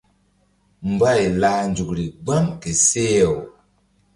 Mbay lah nzukri gbam ke seh-aw.